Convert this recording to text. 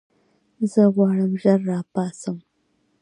زه غواړم ژر راپاڅم.